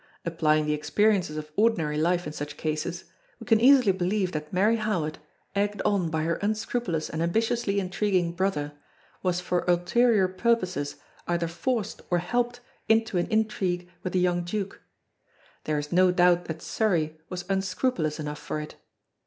Applying the experiences of ordinary life in such cases, we can easily believe that Mary Howard, egged on by her unscrupulous and ambitiously intriguing brother, was for ulterior purposes either forced or helped into an intrigue with the young Duke. There is no doubt that Surrey was unscrupulous enough for it.